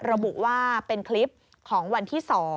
ระบุว่าเป็นคลิปของวันที่๒